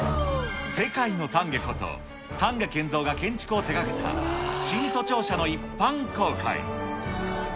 世界の丹下こと、丹下健三が建築を手がけた、新都庁舎の一般公開。